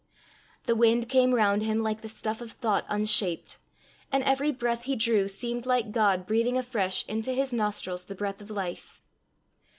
The wind came round him like the stuff of thought unshaped, and every breath he drew seemed like God breathing afresh into his nostrils the breath of life.